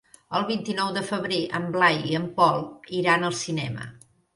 El vint-i-nou de febrer en Blai i en Pol iran al cinema.